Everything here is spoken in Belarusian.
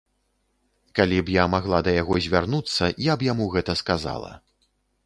Калі б я магла да яго звярнуцца, я б яму гэта сказала.